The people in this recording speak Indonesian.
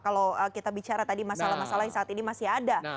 kalau kita bicara tadi masalah masalah yang saat ini masih ada